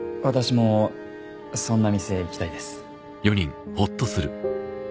私もそんな店行きたいです